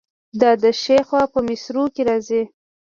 دا د ښي خوا په مصرو کې راځي.